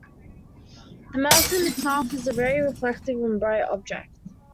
The mountain itself is a very reflective and bright object.